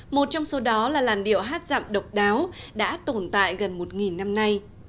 một trong số đó là làn điệu hát dặm độc đáo đã tồn tại gần một năm nay